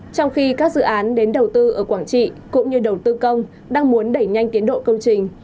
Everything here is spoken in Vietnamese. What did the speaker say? trong khi các dự án đến đầu tư ở quảng trị cũng như đầu tư công đang muốn đẩy nhanh tiến độ công trình